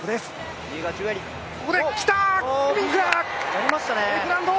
やりましたね。